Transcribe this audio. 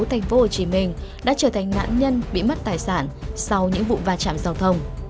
thành phố hồ chí minh đã trở thành nạn nhân bị mất tài sản sau những vụ va chạm giao thông